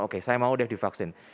oke saya mau deh divaksin